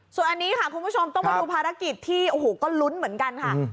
ส่วนอันนี้ค่ะคุณผู้ชมต้องมาดูภารกิจที่โอ้โหก็ลุ้นเหมือนกันค่ะ